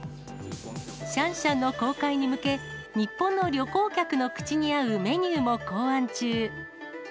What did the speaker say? シャンシャンの公開に向け、日本の旅行客の口に合うメニューも考案中。